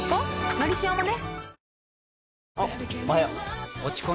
「のりしお」もね